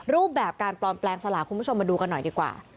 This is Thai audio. รูปแบบการปลอมแปลงสลากคุณผู้ชมมาดูกันหน่อยดีกว่า